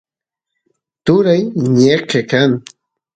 turay ñeqe kan